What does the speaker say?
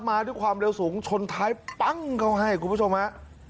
มาด้วยความเร็วสูงชนท้ายปั้งเขาให้คุณผู้ชมฮะ